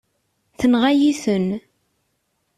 Tenɣa-yi-ten.